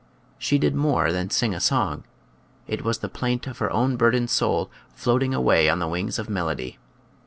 She did more than sing a song; it was the plaint of her own burdened soul u floating away on the wings of melody."